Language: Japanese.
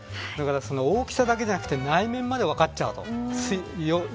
大きさだけじゃなくて内面まで分かっちゃうと。